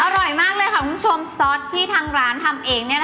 อร่อยมากเลยค่ะคุณผู้ชมซอสที่ทางร้านทำเอง